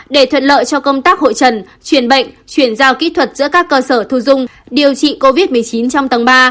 để thuận lợi cho công tác hội trần truyền bệnh chuyển giao kỹ thuật giữa các cơ sở thu dung điều trị covid một mươi chín trong tầng ba